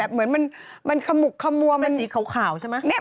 เหมือนมันขมุกขมัวมันสีขาวใช่ไหม